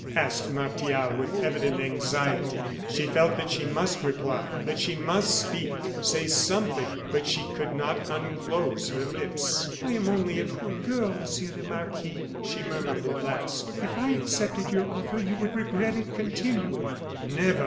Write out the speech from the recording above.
asked Martial, with evident anxiety. She felt that she must reply, that she must speak, say something; but she could not unclose her lips. "I am only a poor girl, Monsieur le Marquis," she murmured, at last. "If I accepted your offer, you would regret it continually." "Never!"